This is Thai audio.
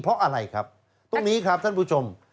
เพราะอะไรครับตรงนี้ครับท่านผู้ชม